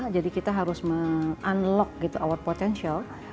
jadi kita harus mengunlock gitu our potential